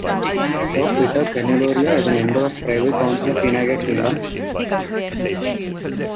Sir Peter Kenilorea as a member of the Privy Council of the United Kingdom.